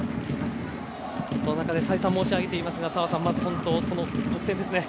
その中で再三申し上げていますが澤さん、まず得点ですね。